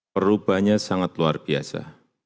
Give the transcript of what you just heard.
perubahannya sangat luar biasa